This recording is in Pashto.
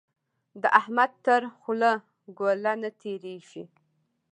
د احمد تر خوله ګوله نه تېرېږي.